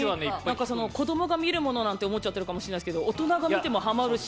子どもが見るものなんて思っちゃってるかもしれないですが大人が見てもハマるし。